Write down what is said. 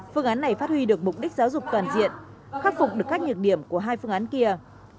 phương án này phát huy được mục đích giáo dục toàn diện khắc phục được các nhược điểm của hai phương án kia